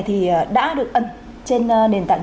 thì đã được ấn trên nền tảng